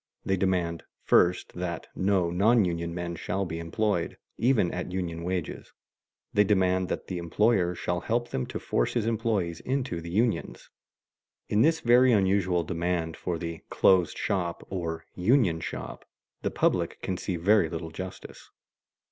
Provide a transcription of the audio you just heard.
_ They demand, first, that no non union men shall be employed even at union wages; they demand that the employer shall help them to force his employees into the unions. In this very usual demand for the "closed shop" or "union shop" the public can see very little justice.